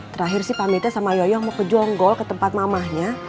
terakhir sih pamitnya sama yoyo mau ke jonggol ke tempat mamahnya